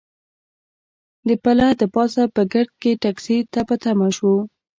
د پله د پاسه په ګرد کې ټکسي ته په تمه شوو.